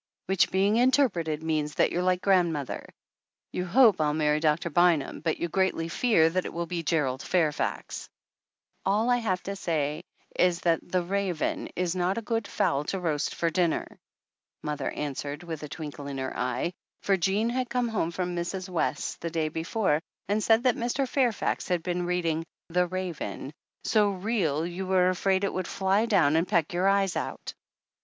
"Which, being interpreted, means that you're like grandmother. You hope I'll marry Doctor Bynum, but you greatly fear that it will be Gerald Fairfax!" 236 THE ANNALS OF ANN "All I have to say is that 'The Raven' is not a good fowl to roast for dinner," mother an swered, with a twinkle in her eye, for Jean had come home from Mrs. West's the day before and said that Mr. Fairfax had been reading The Raven so real you were afraid it would fly down and peck your eyes out.